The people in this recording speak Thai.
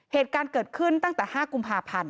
เหตุการณ์เกิดขึ้นตั้งแต่๕กุมภาพันธ์